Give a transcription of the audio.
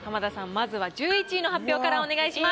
まずは１１位の発表からお願いします。